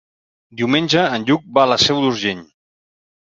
Diumenge en Lluc va a la Seu d'Urgell.